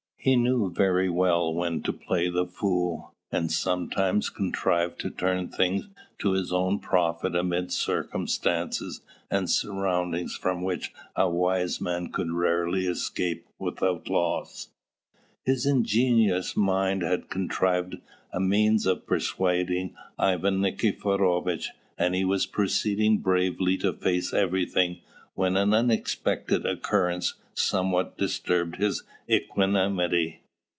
He knew very well when to play the fool, and sometimes contrived to turn things to his own profit amid circumstances and surroundings from which a wise man could rarely escape without loss. His ingenious mind had contrived a means of persuading Ivan Nikiforovitch; and he was proceeding bravely to face everything when an unexpected occurrence somewhat disturbed his equanimity.